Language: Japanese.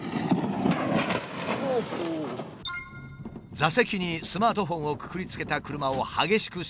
座席にスマートフォンをくくりつけた車を激しく衝突させる。